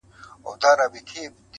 څارنوال ودغه راز ته نه پوهېږي,